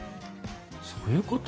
そういうこと？